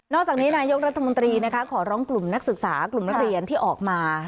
จากนี้นายกรัฐมนตรีขอร้องกลุ่มนักศึกษากลุ่มนักเรียนที่ออกมา